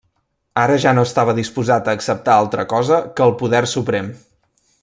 Ara ja no estava disposat a acceptar altra cosa que el poder suprem.